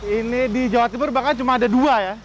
ini di jawa timur bahkan cuma ada dua ya